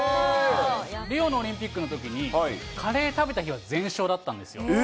リオのオリンピックのときに、カレー食べた日は全勝だったんですよ。